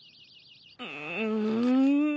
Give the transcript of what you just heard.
うん。